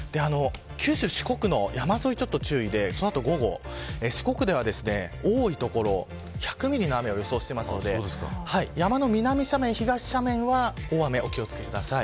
九州、四国の山沿いがちょっと注意でその後、午後、四国では多い所１００ミリの雨を予想しているので山の南斜面、東斜面は大雨にお気を付けください。